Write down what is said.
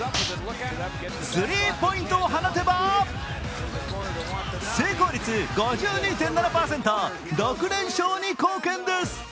スリーポイントを放てば成功率５２．７％６連勝に貢献です。